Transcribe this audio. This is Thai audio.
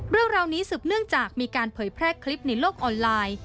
เรื่องราวนี้สืบเนื่องจากมีการเผยแพร่คลิปในโลกออนไลน์